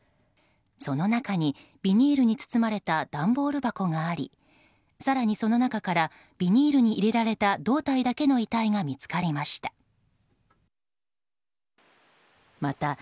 その中に、ビニールに包まれた段ボール箱があり更に、その中からビニールに入れられた胴体だけの遺体が見つかりました。